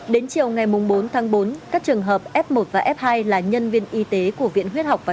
đến chiều ngày bốn tháng bốn các trường hợp f một và f hai là nhân viên y tế của viện huyết học và